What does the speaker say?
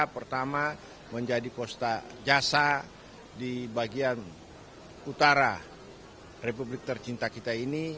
pertama menjadi kota jasa di bagian utara republik tercinta kita ini